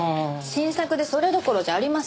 新作でそれどころじゃありません。